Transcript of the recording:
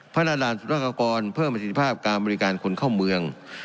พัฒนาด่านสุรกากรเพิ่มประสิทธิภาพการบริการคนเข้าเมือง